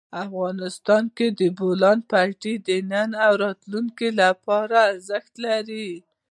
افغانستان کې د بولان پټي د نن او راتلونکي لپاره ارزښت لري.